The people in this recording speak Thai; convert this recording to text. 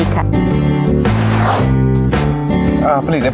ค่ะสวัสดีครับ